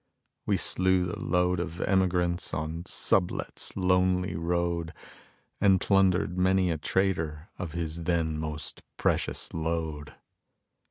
We slew the load of emigrants on Sublet's lonely road And plundered many a trader of his then most precious load.